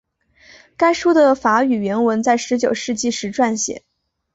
该书的法语原文在十九世纪时撰写。